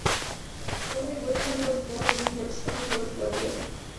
Henry Wickham was born in Hampstead, north London.